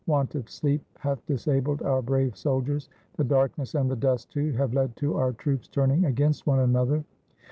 Want of sleep hath disabled our brave soldiers. The darkness and the dust, too, have led to our troops turning against one another.